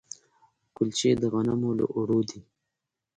کلچې د غنمو له اوړو دي.